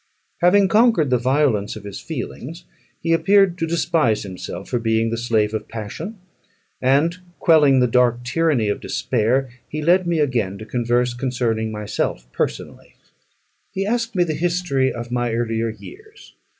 Having conquered the violence of his feelings, he appeared to despise himself for being the slave of passion; and quelling the dark tyranny of despair, he led me again to converse concerning myself personally. He asked me the history of my earlier years.